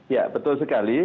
ya betul sekali